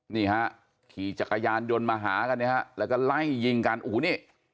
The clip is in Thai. นี่ฮะขี่จักรยานยนต์มาหากันเนี่ยฮะแล้วก็ไล่ยิงกันโอ้โหนี่